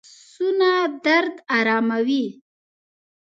لاسونه درد آراموي